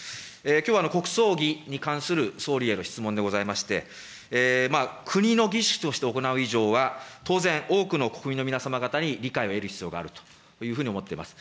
きょうは国葬儀に関する総理への質問でございまして、国の儀式として行う以上は、当然、多くの国民の皆様方に理解をえる必要があるというふうに思っています。